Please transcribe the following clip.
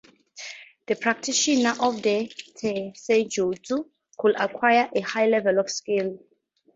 The practitioners of "tessenjutsu" could acquire a high level of skill.